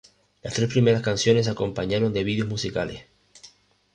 Las tres primeras canciones se acompañaron de vídeos musicales.